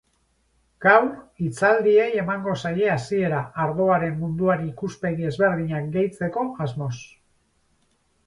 Gaur, hitzaldieiemango zaie hasiera ardoaren munduari ikuspegi ezberdinak gehitzeko asmoz.